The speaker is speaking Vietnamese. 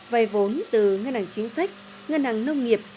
vay vốn từ ngân hàng chính sách ngân hàng nông nghiệp